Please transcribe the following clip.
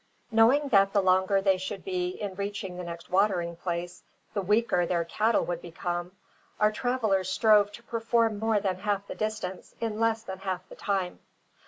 Knowing that the longer they should be in reaching the next watering place the weaker their cattle would become, our travellers strove to perform more than half the distance in less than half the time.